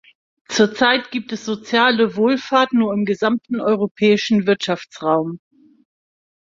Zur Zeit gibt es soziale Wohlfahrt nur im gesamten Europäischen Wirtschaftsraum.